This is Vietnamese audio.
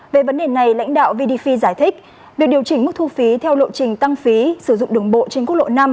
về vấn đề này lãnh đạo vdf giải thích việc điều chỉnh mức thu phí theo lộ trình tăng phí sử dụng đường bộ trên quốc lộ năm